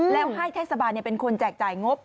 แล้วให้เทศบาลเป็นคนแจกจ่ายงบ